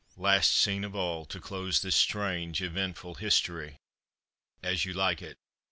Last scene of all, To close this strange eventful history. AS YOU LIKE IT.